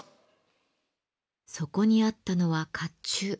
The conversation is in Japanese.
そこにあったのは甲冑。